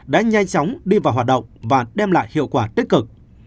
đã nhanh chóng đi vào hoạt động và đem lại hiệu quả tích cực